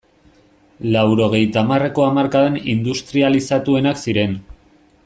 Laurogeita hamarreko hamarkadan industrializatuenak ziren.